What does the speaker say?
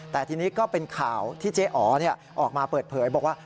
แต่ทีนี้ก็เป็นข่าวที่เจ๊อ๋อออกมาเปิดเผยบอกว่า